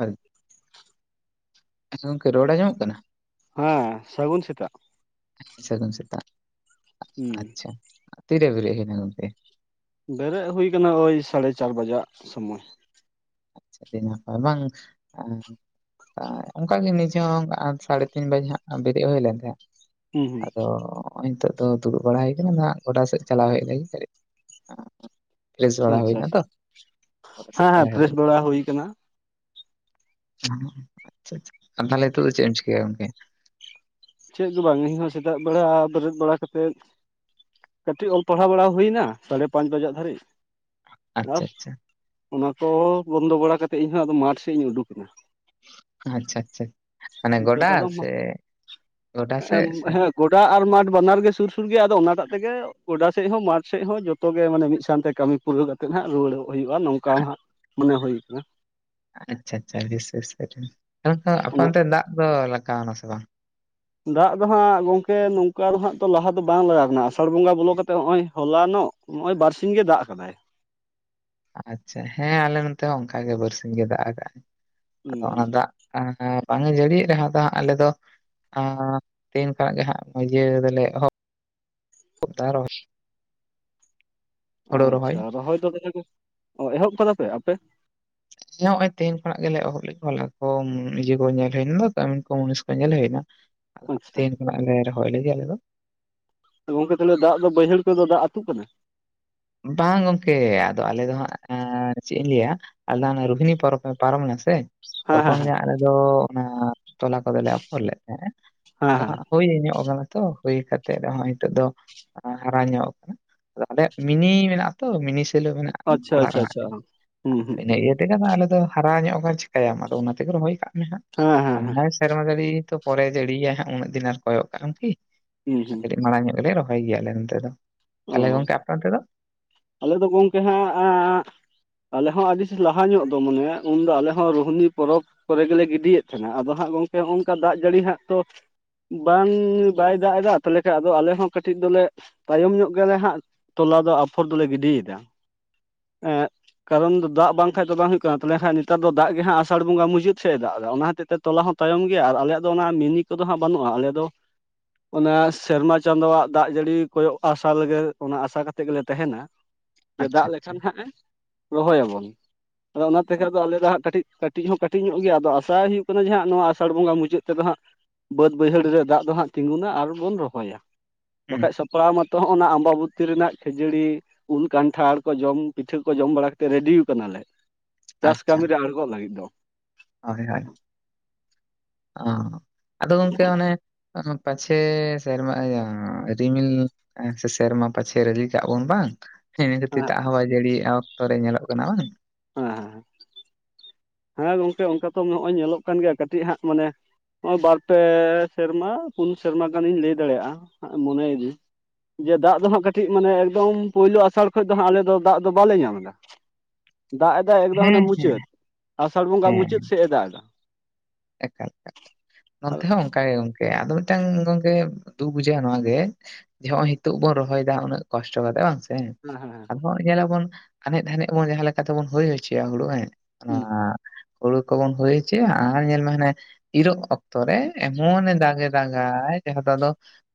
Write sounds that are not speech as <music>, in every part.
ᱟᱨ ᱟᱪᱪᱷᱟ ᱜᱚᱝᱠᱮ ᱨᱚᱲ ᱟᱸᱡᱚᱢᱚᱜ ᱠᱟᱱᱟ? ᱦᱮᱸ ᱥᱟᱹᱜᱩᱱ ᱥᱮᱛᱟᱜ ᱾ ᱟᱹᱜᱩᱱ ᱥᱮᱛᱟᱜ᱾ ᱦᱩᱸ ᱟᱪᱪᱷᱟ ᱛᱤᱨᱮ ᱵᱮᱨᱮᱫ ᱦᱩᱭ ᱮᱱᱟ ᱜᱚᱝᱠᱮ? ᱵᱮᱨᱮᱜ ᱦᱩᱭ ᱟᱠᱟᱱᱟ, ᱳᱭ ᱥᱟᱲᱮ ᱪᱟᱨ ᱵᱟᱡᱟᱜ ᱥᱚᱢᱚᱭ ᱾ ᱟᱪᱪᱷᱟ ᱟᱹᱰᱤ ᱱᱟᱯᱟᱭ ᱵᱟᱝ ᱾ ᱚᱱᱠᱟᱜᱮ ᱱᱤᱡᱮ ᱦᱚᱸ ᱥᱟᱲᱮ ᱛᱤᱱ ᱵᱟᱡᱮ ᱦᱟᱸᱜ ᱵᱮᱨᱮᱫ ᱦᱩᱭ ᱞᱮᱱ ᱛᱟᱦᱮᱸᱫ ᱦᱩᱸ ᱦᱩᱸ ᱟᱫᱚ ᱱᱚᱜᱼᱚᱭ ᱱᱤᱛᱚᱜ ᱫᱚ ᱫᱩᱲᱩᱵ ᱵᱟᱲᱟ ᱦᱩᱭ ᱠᱟᱱᱟ᱾ ᱟᱫᱚ ᱦᱟᱸᱜ ᱜᱚᱰᱟ ᱥᱮᱫ ᱪᱟᱞᱟᱣ ᱦᱩᱭᱩᱜ ᱞᱟᱹᱜᱤᱫ ᱯᱷᱮᱥ ᱵᱟᱲᱟ ᱟᱪᱪᱷᱟ ᱦᱩᱭᱱᱟ ᱛᱚ ᱦᱮᱸ <inaudible> <unintelligible> ᱦᱩᱭ ᱟᱠᱟᱱᱟ ᱾ ᱟᱪᱪᱷᱟ, ᱟᱪᱪᱷᱟ ᱟᱨ ᱛᱟᱦᱚᱞᱮ ᱱᱤᱛᱚᱜ ᱫᱚ ᱪᱮᱜ ᱮᱢ ᱪᱤᱠᱟᱹᱭᱟᱢ ᱜᱚᱝᱠᱮ? ᱪᱮᱫ ᱫᱚ ᱵᱟᱝ ᱤᱧ ᱦᱚᱸ ᱥᱮᱛᱟᱜ ᱵᱮᱲᱟ ᱵᱮᱨᱮᱫ ᱵᱟᱲᱟ ᱠᱟᱛᱮᱫ ᱠᱟᱹᱴᱤᱜ ᱚᱞ ᱯᱟᱲᱦᱟᱣ ᱵᱟᱲᱟ ᱦᱩᱭᱮᱱᱟ, ᱥᱟᱲᱮ ᱯᱟᱸᱪ ᱵᱟᱡᱟᱜ ᱫᱷᱟᱹᱨᱤᱜ ᱾ ᱟᱪᱪᱷᱟ ᱟᱥ ᱟᱪᱪᱷᱟ ᱚᱱᱟ ᱠᱚ ᱵᱚᱱᱫᱚ ᱵᱟᱲᱟ ᱠᱟᱛᱮᱜ ᱤᱧ ᱦᱚᱸ ᱟᱫᱚ ᱢᱟᱴᱷ ᱥᱮ ᱤᱧ ᱩᱰᱩᱠ ᱮᱱᱟ᱾ ᱟᱪᱪᱷᱟ, ᱟᱪᱪᱷᱟ ᱢᱟᱱᱮ ᱱᱤᱛᱚᱜ ᱫᱚ ᱜᱚᱰᱟ ᱟᱫᱚ ᱥᱮ ᱜᱚᱰᱟ ᱥᱮᱫ ᱥᱮ ᱦᱮᱸ ᱜᱚᱰᱟ ᱟᱨ ᱢᱟᱴᱷ ᱵᱟᱱᱟᱨ ᱜᱮ, ᱥᱩᱨ ᱥᱩᱨ ᱜᱮᱭᱟ ᱟᱫᱚ ᱚᱱᱟᱴᱟᱜ ᱛᱮᱜᱮ ᱜᱚᱰᱟ ᱥᱮᱫ ᱦᱚᱸ ᱢᱟᱴᱷ ᱥᱮᱜ ᱦᱚᱸ ᱡᱚᱛᱚ ᱜᱮ, ᱢᱟᱱᱮ ᱢᱤᱫ ᱥᱟᱶᱛᱮ ᱠᱟᱹᱢᱤ ᱯᱩᱨᱟᱹᱣ ᱠᱟᱛᱮᱜ ᱦᱟᱸᱜ ᱨᱩᱣᱟᱹᱲᱚᱜ ᱦᱩᱭᱩᱜᱼᱟ ᱱᱚᱝᱠᱟ ᱢᱟ ᱦᱟᱸᱜ ᱢᱚᱱᱮ ᱦᱩᱭᱩᱜᱼᱟ ᱾ ᱟᱪᱪᱷᱟ, ᱟᱪᱪᱷᱟ <inaudible> ᱟᱯᱮ ᱚᱱᱟ ᱚᱱᱛᱮ ᱫᱟᱜ ᱫᱚ ᱞᱟᱜᱟᱣᱟ ᱥᱮ ᱵᱟᱝ? ᱫᱟᱜ ᱫᱚ ᱦᱟᱸᱜ ᱜᱚᱝᱠᱮ ᱱᱚᱝᱠᱟ ᱫᱚ ᱦᱟᱸᱜ ᱛᱚ ᱞᱟᱦᱟ ᱫᱚ ᱵᱟᱝ ᱞᱟᱜᱟᱣ ᱠᱟᱱᱟ, ᱟᱸᱥᱟᱲ ᱵᱚᱸᱜᱟ ᱵᱚᱞᱚ ᱠᱟᱛᱮᱫ ᱱᱚᱜᱼᱚᱭ ᱦᱚᱞᱟᱱᱚᱜ ᱱᱚᱜᱼᱚᱭ ᱵᱟᱨᱥᱤᱧ ᱜᱮ ᱫᱟᱜ ᱟᱠᱟᱫᱟᱭ ᱾ ᱟᱪᱪᱷᱟ ᱦᱮᱸ ᱟᱞᱮ ᱱᱚᱛᱮ ᱦᱚᱸ ᱚᱱᱠᱟᱜᱮ ᱵᱟᱨᱥᱤᱧ ᱜᱮ ᱫᱟᱜ ᱟᱠᱟᱜ ᱟᱭ ᱾ ᱦᱩᱸ ᱟᱫᱚ ᱦᱩᱸ ᱚᱱᱟ ᱫᱟᱜ ᱵᱟᱝ ᱮ ᱡᱟᱹᱲᱤᱭᱮᱜ ᱨᱮᱦᱚ ᱟᱫᱚ ᱦᱟᱸᱜ ᱟᱞᱮ ᱫᱚ ᱟᱻ ᱛᱮᱦᱮᱧ ᱠᱷᱚᱱᱟᱜ ᱜᱮ ᱦᱟᱸᱜ ᱤᱭᱟᱹ ᱫᱚᱞᱮ ᱮᱦᱚᱜ <inaudible> ᱛᱟᱨ ᱟᱪᱪᱷᱟ ᱨᱚᱦᱚᱭ ᱫᱚ <inaudible> ᱮᱦᱚᱵ ᱠᱟᱫᱟ ᱯᱮ ᱟᱯᱮ? <inaudible> ᱦᱮᱸ ᱱᱚᱜᱼᱚᱭ ᱛᱮᱦᱮᱧ ᱠᱷᱚᱱᱟᱜ ᱜᱮᱞᱮ ᱮᱦᱚᱵ ᱞᱮᱜ ᱠᱚᱣᱟ ᱞᱮ ᱠᱚ ᱤᱭᱟᱹ ᱠᱚ ᱧᱮᱞ ᱦᱩᱭᱱᱟ ᱫᱚ ᱠᱟᱹᱢᱤᱱ ᱠᱚ ᱢᱩᱱᱤᱥ ᱠᱚ ᱧᱮᱞ ᱦᱩᱭᱱᱟ ᱾ ᱟᱪᱪᱷᱟ ᱛᱮᱦᱮᱧ ᱠᱷᱚᱱᱟᱜ ᱞᱮ ᱨᱚᱦᱚᱭ ᱞᱤᱜᱤ ᱟᱞᱮ ᱫᱚ ᱾ ᱜᱚᱝᱠᱮ ᱛᱟᱦᱚᱞᱮ ᱫᱟᱜ ᱫᱚ ᱵᱟᱹᱭᱦᱟᱹᱲ ᱛᱮᱫᱚ ᱫᱟᱜ ᱟᱹᱛᱩᱜ ᱠᱟᱱᱟ? ᱵᱟᱝ ᱜᱚᱝᱠᱮ ᱟᱫᱚ ᱟᱞᱮ ᱫᱚ ᱦᱟᱸᱜ ᱪᱮᱜ ᱤᱧ ᱞᱟᱹᱭᱟᱼᱼ ᱟᱞᱫᱟ ᱚᱱᱮ ᱨᱳᱦᱤᱱᱤ ᱯᱚᱨᱚᱵᱽ ᱢᱮ ᱯᱟᱨᱚᱢᱮᱱᱟ ᱥᱮ, ᱦᱮᱸ ᱦᱮᱸ ᱛᱚᱠᱷᱚᱱ ᱦᱮᱸ ᱜᱮ ᱟᱞᱮ ᱫᱚ ᱚᱱᱟ ᱛᱚᱞᱟ ᱠᱚᱫᱚᱞᱮ ᱟᱯᱷᱚᱨ ᱞᱮᱜ ᱛᱟᱦᱮᱸᱼᱟ ᱦᱮᱸ ᱟᱫᱚ ᱦᱮᱸ ᱦᱟᱸᱜ ᱦᱳᱭ ᱧᱚᱜ ᱟᱠᱟᱱᱟ ᱛᱚ ᱦᱩᱭ ᱠᱟᱛᱮᱜ ᱨᱮᱦᱚᱸ ᱦᱤᱛᱚᱜ ᱫᱚ ᱦᱟᱨᱟ ᱧᱚᱜ ᱟᱠᱟᱱᱟ ᱟᱫᱚ ᱟᱞᱮ ᱢᱤᱱᱤ ᱢᱮᱱᱟᱜᱼᱟ ᱛᱚ ᱢᱤᱱᱤ ᱥᱮᱞᱳ ᱢᱮᱱᱟᱜᱼᱟ ᱟᱪᱪᱷᱟ ᱚᱲᱟᱜ ᱟᱪᱪᱷᱟ ᱨᱮᱱᱟᱜ ᱟᱪᱪᱷᱟ ᱛᱮ ᱦᱩᱸ ᱦᱩᱸ ᱤᱱᱟᱹ ᱦᱩᱸ ᱛᱮ, ᱟᱞᱮ ᱫᱚ ᱦᱟᱨᱟ ᱧᱚᱜ ᱪᱤᱠᱟᱭᱟᱢ ᱟᱫᱚ ᱚᱱᱟ ᱛᱮᱜᱮ ᱨᱚᱦᱚᱭ ᱠᱟᱜ ᱢᱮ ᱦᱮᱸ ᱦᱮᱸ ᱦᱮᱸ ᱦᱟᱸᱜ ᱥᱮᱨᱢᱟ ᱡᱟᱲᱤ ᱛᱚᱼᱼ ᱯᱚᱨᱮ ᱡᱟᱹᱲᱤᱭᱮᱭᱟ ᱦᱟᱸᱜ ᱩᱱᱟᱹᱜ ᱫᱤᱱ ᱟᱨ ᱠᱚᱭᱚᱜ ᱠᱟᱜ ᱟᱢ ᱠᱤ? ᱦᱩᱸ ᱦᱩᱸ ᱠᱟᱹᱴᱤᱡ ᱢᱟᱲᱟᱝ ᱧᱚᱜ ᱨᱮ ᱨᱚᱦᱚᱭ ᱜᱮᱭᱟᱞᱮ ᱱᱚᱛᱮ ᱫᱚ ᱛᱟᱞᱦᱮ ᱚ ᱜᱚᱝᱠᱮ ᱟᱯᱮ ᱚᱸᱛᱮᱫᱚ? ᱟᱞᱮ ᱫᱚ ᱜᱚᱢᱠᱮ ᱦᱟᱸᱜ ᱟᱸᱻ ᱟᱞᱮ ᱦᱚᱸ ᱟᱹᱰᱤ ᱞᱟᱦᱟ ᱧᱚᱜ ᱫᱚ ᱢᱟᱱᱮ ᱩᱱᱫᱚ ᱟᱞᱮ ᱦᱚᱸ ᱨᱩᱦᱱᱤ ᱯᱚᱨᱚᱵᱽᱼᱼ ᱠᱚᱨᱮ ᱜᱮᱞᱮ ᱜᱤᱰᱤᱭᱮᱫ ᱛᱟᱦᱮᱱᱟ ᱟᱫᱚ ᱦᱟᱸᱜ ᱜᱚᱝᱠᱮ ᱱᱚᱜ ᱱᱚᱝᱠᱟ ᱫᱟᱜ ᱡᱟᱹᱲᱤ ᱦᱟᱸᱜ ᱛᱚᱼᱼ ᱵᱟᱝ ᱵᱟᱭ ᱫᱟᱜ ᱮᱫᱟ ᱛᱟᱦᱞᱮ ᱠᱷᱟᱡ ᱟᱫᱚ ᱟᱞᱮᱦᱚ ᱠᱟᱹᱴᱤᱡ ᱫᱚᱞᱮᱼᱼ ᱛᱟᱭᱚᱢ ᱧᱚᱜ ᱜᱮᱭᱟᱞᱮ ᱦᱟᱸᱜ ᱛᱚᱞᱟ ᱫᱚ ᱟᱯᱷᱚᱨ ᱫᱚᱞᱮ ᱜᱤᱰᱤᱭᱮᱫᱟ ᱮᱸᱜᱼᱼ ᱠᱟᱨᱚᱱ ᱫᱚ ᱫᱟᱜ ᱵᱟᱝᱠᱷᱟᱸᱡ ᱫᱚ ᱵᱟᱝ ᱦᱩᱭᱩᱜ ᱠᱟᱱᱟ ᱛᱟᱦᱮ ᱠᱷᱟᱸᱡ ᱱᱮᱛᱟᱨ ᱫᱚ ᱫᱟᱜ ᱜᱮ ᱦᱟᱸᱜ ᱟᱥᱟᱲ ᱵᱚᱸᱜᱟ ᱢᱩᱪᱟᱹᱫ ᱥᱮ ᱮ ᱫᱟᱜ ᱮᱫᱟ ᱚᱱᱟ ᱠᱷᱟᱹᱛᱤᱨ ᱛᱮᱼᱼ ᱛᱚᱞᱟ ᱦᱚᱸ ᱛᱟᱭᱚᱢ ᱜᱮᱭᱟ ᱟᱨ ᱟᱞᱮᱭᱟᱜ ᱫᱚ ᱚᱱᱟ ᱢᱤᱱᱤ ᱠᱚᱫᱚ ᱦᱟᱸᱜ ᱵᱟᱹᱱᱩᱜᱼᱟ ᱟᱞᱮ ᱫᱚᱼᱼ ᱚᱱᱟ ᱥᱮᱨᱢᱟ ᱪᱟᱸᱫᱳᱣᱟᱜ ᱫᱟᱜ ᱡᱟᱹᱲᱤ ᱠᱚᱭᱚᱜ ᱟᱥᱟ ᱞᱮᱜᱮ ᱚᱱᱟ ᱟᱥᱟ ᱠᱟᱛᱮᱜ ᱜᱮᱞᱮᱼᱼ ᱛᱟᱦᱮᱱᱟ ᱡᱮ ᱟᱪᱪᱷᱟ ᱫᱟᱜ ᱟᱪᱪᱷᱟ ᱞᱮᱠᱷᱟᱱ ᱱᱟᱦᱟᱜ ᱮ ᱨᱚᱦᱚᱭᱟᱵᱚᱱ᱾ ᱟᱫᱚ ᱚᱱᱟ ᱛᱮᱜᱮ ᱫᱚ ᱟᱞᱮ ᱫᱚ ᱦᱟᱸᱜ ᱠᱟᱹᱴᱤᱡᱼᱼ ᱠᱟᱹᱴᱤᱡ ᱦᱚᱸ ᱠᱟᱹᱴᱤᱡ ᱧᱚᱜ ᱜᱮᱭᱟ ᱟᱫᱚ ᱟᱥᱟ ᱦᱩᱭᱩᱜ ᱠᱟᱱᱟ ᱡᱮ ᱦᱟᱸᱜ ᱱᱚᱣᱟ ᱟᱥᱟᱲ ᱵᱚᱸᱜᱟ ᱢᱩᱟᱹᱫ ᱛᱮ ᱫᱚ ᱦᱟᱸᱜᱼᱼ ᱵᱟᱹᱫ ᱵᱟᱹᱭᱦᱟᱹᱲ ᱨᱮ ᱫᱟᱜ ᱫᱚ ᱦᱟᱸᱜ ᱛᱤᱸᱜᱩᱱᱟ ᱟᱨ ᱵᱚᱱ ᱨᱚᱦᱚᱭᱟ᱾ ᱦᱩᱸ ᱵᱟᱠᱷᱟᱡ ᱥᱟᱯᱲᱟᱣ ᱢᱟᱛᱚ ᱚᱱᱟ ᱟᱢᱵᱟᱵᱩᱛᱤ ᱨᱮᱱᱟᱜ᱾ ᱠᱷᱟᱹᱡᱟᱹᱲᱤ ᱩᱞ ᱠᱟᱱᱴᱷᱟᱲ ᱠᱚ ᱡᱚᱢ ᱯᱤᱴᱷᱟᱹ ᱠᱚ ᱡᱚᱢ ᱵᱟᱲᱟ ᱠᱟᱛᱮᱫ ᱨᱮᱰᱤ ᱟᱠᱟᱣᱱᱟᱞᱮ᱾ ᱪᱟᱥ ᱟᱪᱪᱷᱟ ᱠᱟᱹᱢᱤᱨᱮ ᱟᱬᱜᱚ ᱞᱟᱹᱜᱤᱫ ᱫᱚ᱾ ᱦᱳᱭ ᱦᱳᱭ ᱚᱸ ᱟᱫᱚ ᱜᱚᱝᱠᱮ ᱟᱱᱮᱼᱼ ᱯᱟᱪᱷᱮᱻ ᱥᱮᱢᱟ ᱤᱭᱟ ᱨᱤᱢᱤᱞᱼᱼ ᱮᱸ ᱥᱮ ᱥᱮᱨᱢᱟ ᱯᱟᱪᱷᱮ ᱨᱟᱹᱞᱤ ᱠᱟᱜ ᱵᱚᱱ ᱵᱟᱝ᱾ ᱡᱮᱸ ᱤᱱᱟᱹ ᱠᱷᱟᱹᱛᱤᱨ ᱦᱮᱸ ᱫᱟᱜ ᱦᱚᱸ ᱵᱟᱭ ᱡᱟᱹᱲᱤᱭᱮᱼᱟ ᱚᱠᱛᱚ ᱨᱮ ᱧᱮᱞᱚᱜ ᱠᱟᱱᱟ ᱵᱟᱝ᱾ ᱚᱣᱟ <inaudible> ᱦᱮᱸ ᱜᱚᱝᱠᱮ ᱚᱱᱠᱟ ᱛᱚ ᱱᱚᱜᱼᱚᱭ ᱧᱮᱞᱚᱜ ᱠᱟᱱ ᱜᱮᱭᱟ ᱠᱟᱹᱴᱤᱡ ᱦᱟᱸᱜ ᱢᱟᱱᱮᱼᱼ ᱱᱚᱜᱚᱭ ᱵᱟᱨ ᱯᱮ ᱥᱮᱨᱢᱟ ᱯᱩᱱ ᱥᱮᱨᱢᱟ ᱜᱟᱱᱤᱧ ᱞᱟᱹᱭ ᱫᱟᱲᱮᱭᱟᱜᱼᱟ ᱢᱚᱱᱮᱭᱤᱫᱟᱹᱧ᱾ ᱡᱮ ᱫᱟᱜ ᱫᱚ ᱦᱟᱸᱜ ᱠᱟᱹᱴᱤᱡ ᱢᱟᱱᱮ ᱮᱠᱫᱚᱢ ᱯᱳᱭᱞᱳ ᱟᱥᱟᱲ ᱠᱷᱚᱡᱽ ᱫᱚ ᱦᱟᱸᱜ ᱟᱞᱮ ᱫᱚ ᱫᱟᱜ ᱫᱚ ᱵᱟᱞᱮ ᱧᱟᱢ ᱮᱫᱟ᱾ ᱫᱟᱜ ᱮ ᱫᱟᱜᱭ ᱮᱠᱫᱚᱢ ᱦᱟᱱᱮ ᱦᱮᱸ ᱢᱩᱪᱟᱹᱫ ᱨᱮ ᱟᱥᱟᱲ ᱵᱚᱸᱜᱟ ᱦᱮᱸ ᱢᱩᱪᱟᱹᱫ ᱥᱮ ᱮ ᱫᱟᱜ ᱮᱫᱟ᱾ ᱮᱠᱟᱞ ᱟᱨ ᱱᱚᱱᱛᱮ ᱦᱚᱸ ᱚᱱᱠᱟ ᱜᱮ ᱜᱚᱝᱠᱮ ᱠᱮ ᱟᱫᱚ ᱢᱤᱫᱴᱟᱝ ᱜᱚᱝᱠᱮ ᱫᱩᱠ ᱵᱩᱡᱷᱟᱹᱜᱼᱟ ᱱᱚᱣᱟ ᱜᱮ ᱡᱮ ᱦᱚᱸᱜᱼᱚᱭ ᱱᱤᱛᱚᱜ ᱵᱚᱱ ᱨᱚᱦᱚᱭ ᱫᱟ ᱩᱱᱟᱹᱜ ᱠᱚᱥᱴᱚ ᱠᱟᱛᱮᱜ ᱵᱟᱝᱥᱮ? ᱦᱮᱸ ᱦᱮᱸ ᱧᱮᱞᱟᱵᱚᱱ ᱟᱱᱮᱡ ᱫᱷᱟᱱᱮᱡ ᱵᱚᱱ ᱡᱟᱦᱟᱸ ᱞᱮᱠᱟ ᱛᱮᱵᱚᱱ ᱦᱩᱭ ᱦᱚᱪᱚᱭᱟ ᱦᱩᱲᱩ ᱦᱮ ᱚᱱᱟ ᱦᱩᱸ ᱦᱩᱲᱩ ᱠᱚᱢᱚᱱ ᱦᱩᱭ ᱦᱚᱪᱚᱭᱟ ᱟᱨ ᱟᱨ ᱧᱮᱞ ᱢᱮ ᱦᱟᱱᱮ ᱤᱨᱚᱜ ᱚᱠᱛᱚ ᱨᱮ ᱮᱢᱚᱱᱮ ᱫᱟᱜᱮ ᱫᱟᱜᱟᱭ ᱡᱟᱦᱟᱸ ᱫᱚ ᱟᱫᱚ